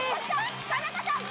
田中さん